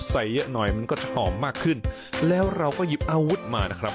ใส่เยอะหน่อยมันก็หอมมากขึ้นแล้วเราก็หยิบอาวุธมานะครับ